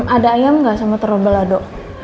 ada ayam gak sama terobelado